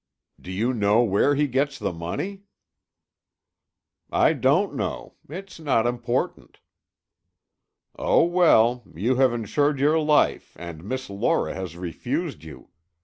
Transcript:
Do you know where he gets the money?" "I don't know. It's not important." "Oh, well! You have insured your life and Miss Laura has refused you!